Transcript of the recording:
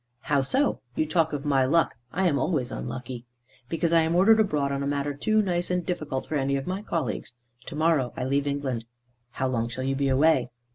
"How so? You talk of my luck; I am always unlucky." "Because I am ordered abroad on a matter too nice and difficult for any of my colleagues. To morrow I leave England." "How long shall you be away?"